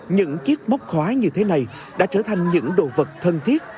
những chiếc mốc khóa như thế này đã trở thành những đồ vật thân thiết